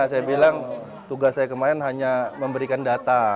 saya bilang tugas saya kemarin hanya memberikan data